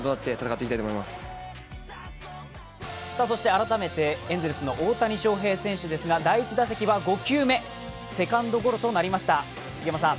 そして改めてエンゼルスの大谷翔平選手ですが第１打席は５球目、セカンドゴロとなりました。